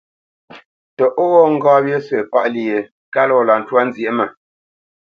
Tə ó ghó ŋgá wyé sə̂ páʼ lyé kalá o lǎ ntwá nzyěʼ mə?